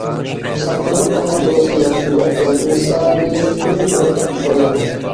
ساقلىنىپ قالغان بولسا ياخشى بوپتۇ، ئىنسانىيەتنىڭ ئورتاق بايلىقى.